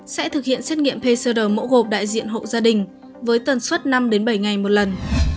sẽ thực hiện xét nghiệm pcr mẫu gộp đại diện hộ gia đình với tần suất năm bảy ngày một lần